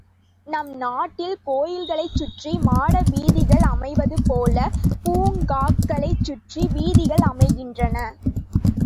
நம் நாட்டில் கோயில்களைச் சுற்றி மாட வீதிகள் அமைவது போலப் பூங்காக்களைச் சுற்றி வீதிகள் அமைகின்றன.